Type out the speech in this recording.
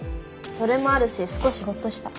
それもあるし少しほっとした。